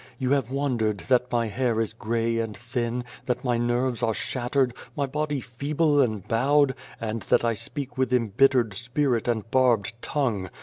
You have wondered that my hair is grey and thin, that my nerves are shattered, my body feeble and bowed, and that I speak with embittered spirit and barbed tongue.